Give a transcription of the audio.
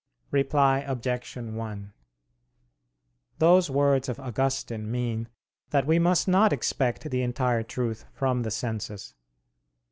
Reply Obj. 1: Those words of Augustine mean that we must not expect the entire truth from the senses.